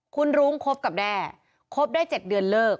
คุณรุ้งคบกับแด้คบได้๗เดือนเลิก